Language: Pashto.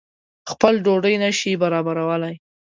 خپل ډوډۍ نه شي برابرولای.